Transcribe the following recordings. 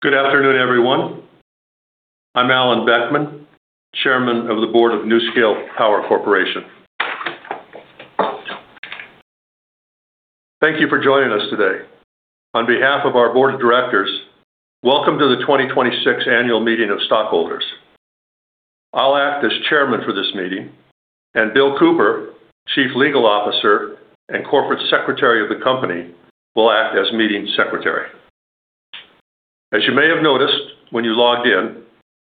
Good afternoon, everyone. I'm Alan Boeckmann, Chairman of the Board of NuScale Power Corporation. Thank you for joining us today. On behalf of our Board of Directors, welcome to the 2026 Annual Meeting of Stockholders. I'll act as Chairman for this meeting, and Bill Cooper, Chief Legal Officer and Corporate Secretary of the company, will act as meeting Secretary. As you may have noticed when you logged in,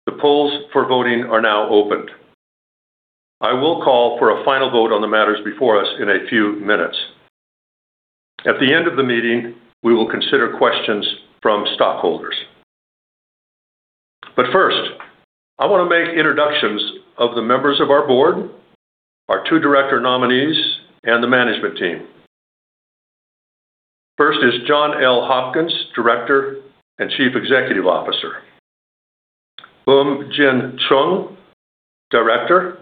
the polls for voting are now opened. I will call for a final vote on the matters before us in a few minutes. At the end of the meeting, we will consider questions from stockholders. First, I want to make introductions of the members of our board, our two Director nominees, and the management team. First is John L. Hopkins, Director and Chief Executive Officer. Bum-Jin Chung, Director.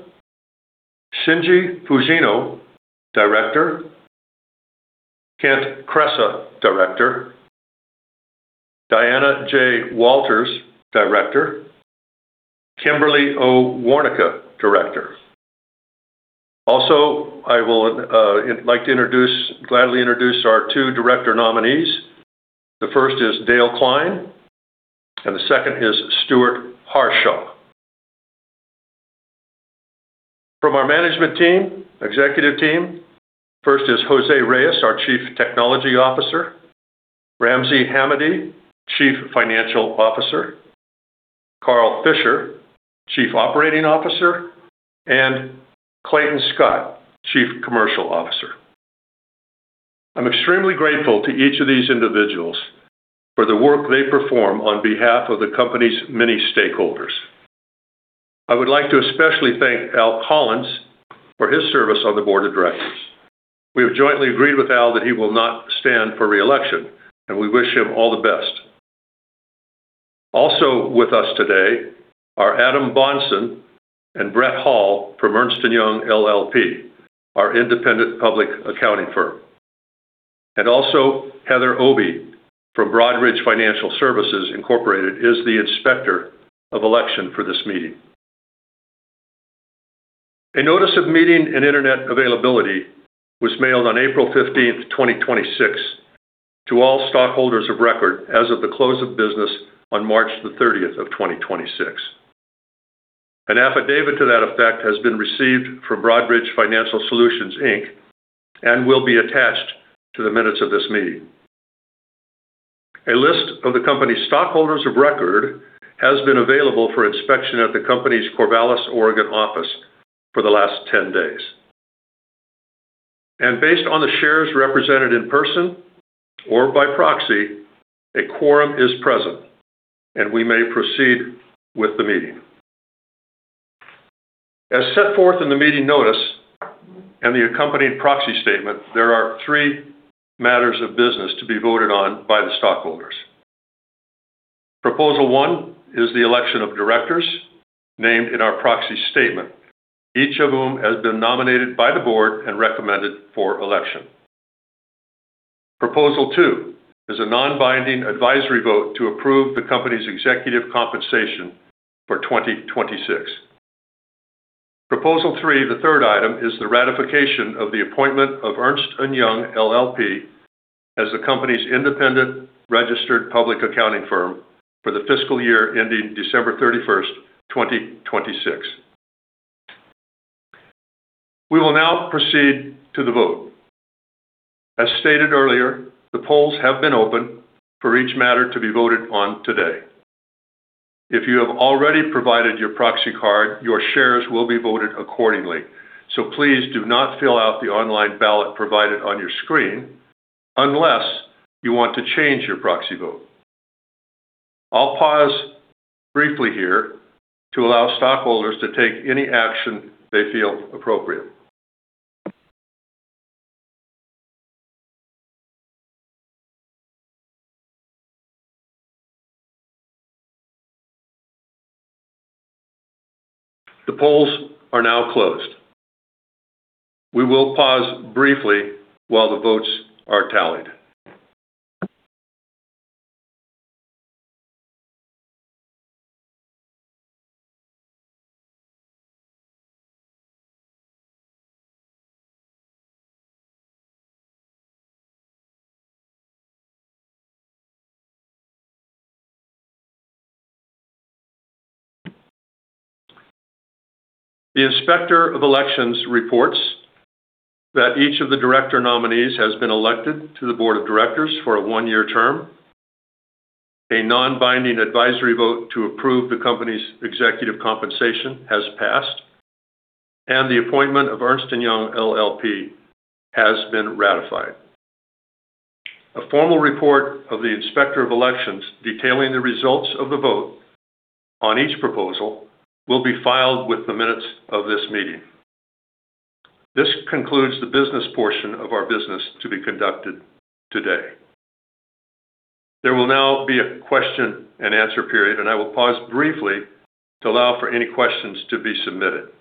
Shinji Fujino, Director. Kent Kresa, Director. Diana J. Walters, Director. Kimberly O. Warnica, Director. I will gladly introduce our two Director nominees. The first is Dale Klein and the second is Stuart Harshaw. From our management team, executive team, first is José Reyes, our Chief Technology Officer. Ramsey Hamady, Chief Financial Officer. Carl Fisher, Chief Operating Officer, and Clayton Scott, Chief Commercial Officer. I'm extremely grateful to each of these individuals for the work they perform on behalf of the company's many stakeholders. I would like to especially thank Al Collins for his service on the Board of Directors. We have jointly agreed with Al that he will not stand for re-election, and we wish him all the best. With us today are Adam Bahnsen and Brent Hall from Ernst & Young LLP, our independent public accounting firm. Heather Obi from Broadridge Financial Solutions, Incorporated. is the Inspector of Election for this meeting. A notice of meeting and internet availability was mailed on April 15th, 2026 to all stockholders of record as of the close of business on March the 30th of 2026. An affidavit to that effect has been received from Broadridge Financial Solutions, Inc. and will be attached to the minutes of this meeting. A list of the company's stockholders of record has been available for inspection at the company's Corvallis, Oregon office for the last 10 days. Based on the shares represented in person or by proxy, a quorum is present and we may proceed with the meeting. As set forth in the meeting notice and the accompanying proxy statement, there are three matters of business to be voted on by the stockholders. Proposal one is the election of Directors named in our proxy statement, each of whom has been nominated by the Board and recommended for election. Proposal two is a non-binding advisory vote to approve the company's executive compensation for 2026. Proposal three, the third item, is the ratification of the appointment of Ernst & Young LLP as the company's independent registered public accounting firm for the fiscal year ending December 31st, 2026. We will now proceed to the vote. As stated earlier, the polls have been open for each matter to be voted on today. If you have already provided your proxy card, your shares will be voted accordingly. Please do not fill out the online ballot provided on your screen unless you want to change your proxy vote. I'll pause briefly here to allow stockholders to take any action they feel appropriate. The polls are now closed. We will pause briefly while the votes are tallied. The Inspector of Elections reports that each of the Director nominees has been elected to the Board of Directors for a one-year term. A non-binding advisory vote to approve the company's executive compensation has passed, and the appointment of Ernst & Young LLP has been ratified. A formal report of the Inspector of Elections detailing the results of the vote on each proposal will be filed with the minutes of this meeting. This concludes the business portion of our business to be conducted today. There will now be a question and answer period, and I will pause briefly to allow for any questions to be submitted.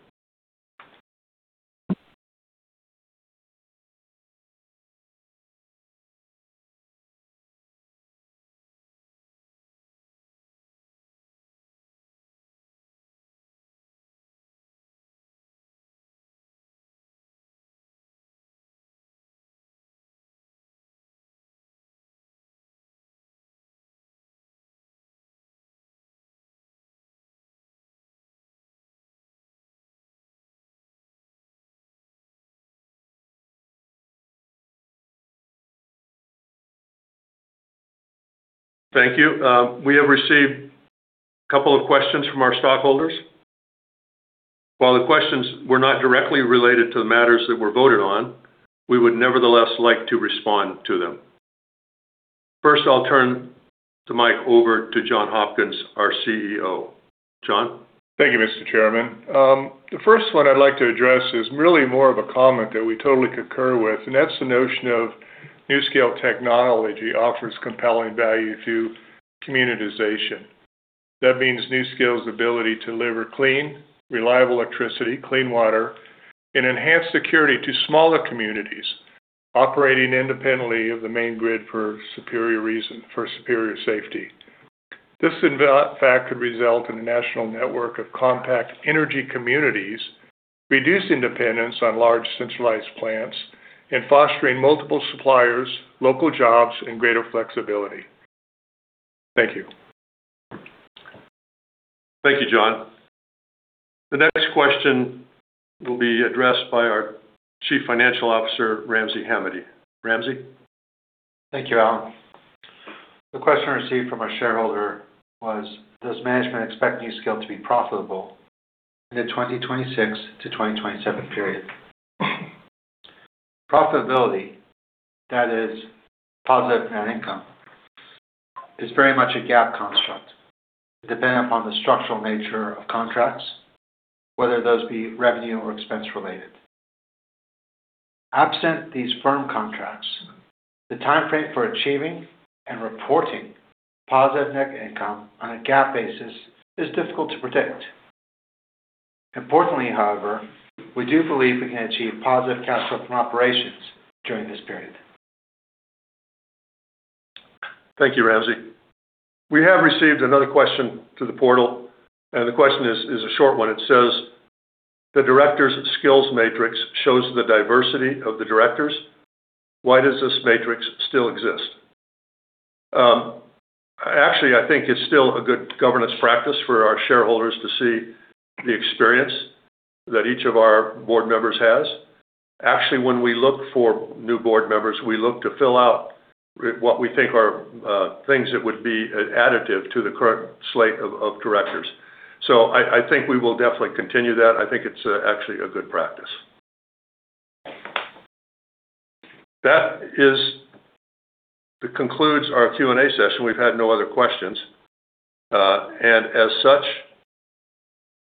Thank you. We have received a couple of questions from our stockholders. While the questions were not directly related to the matters that were voted on, we would nevertheless like to respond to them. First, I'll turn the mic over to John Hopkins, our CEO. John? Thank you, Mr. Chairman. The first one I'd like to address is really more of a comment that we totally concur with, and that's the notion of NuScale technology offers compelling value to commercialization. That means NuScale's ability to deliver clean, reliable electricity, clean water, and enhanced security to smaller communities operating independently of the main grid for superior safety. This, in fact, could result in a national network of compact energy communities, reducing dependence on large centralized plants and fostering multiple suppliers, local jobs, and greater flexibility. Thank you. Thank you, John. The next question will be addressed by our Chief Financial Officer, Ramsey Hamady. Ramsey? Thank you, Alan. The question received from our shareholder was, "Does management expect NuScale to be profitable in the 2026 to 2027 period?" Profitability, that is positive net income, is very much a GAAP construct dependent upon the structural nature of contracts, whether those be revenue or expense-related. Absent these firm contracts, the timeframe for achieving and reporting positive net income on a GAAP basis is difficult to predict. Importantly, however, we do believe we can achieve positive cash flow from operations during this period. Thank you, Ramsey. We have received another question through the portal. The question is a short one. It says: The Directors' skills matrix shows the diversity of the Directors. Why does this matrix still exist? Actually, I think it's still a good governance practice for our shareholders to see the experience that each of our Board members has. Actually, when we look for new Board members, we look to fill out what we think are things that would be additive to the current slate of Directors. I think we will definitely continue that. I think it's actually a good practice. That concludes our Q&A session. We've had no other questions. As such,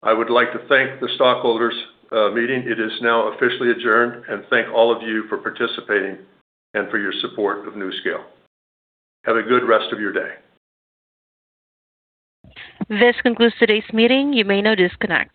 I would like to thank the stockholders meeting. It is now officially adjourned. Thank all of you for participating and for your support of NuScale. Have a good rest of your day. This concludes today's meeting. You may now disconnect.